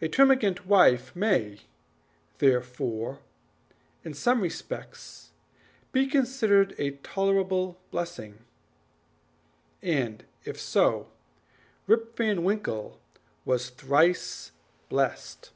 A termagant wife may, therefore, in some respects be considered a tolerable blessing, and if so, Rip Van Winkle was thrice blessed.